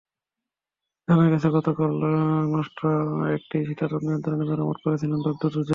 জানা গেছে, গতকাল নষ্ট একটি শীতাতপ নিয়ন্ত্রণযন্ত্র মেরামত করছিলেন দগ্ধ দুজন।